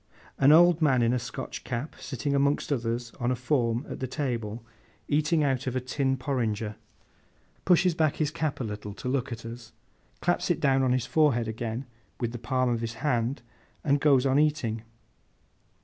An old man in a Scotch cap sitting among others on a form at the table, eating out of a tin porringer, pushes back his cap a little to look at us, claps it down on his forehead again with the palm of his hand, and goes on eating.